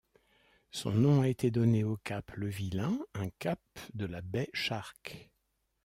Son nom a été donné au cap Levillain, un cap de la Baie Shark.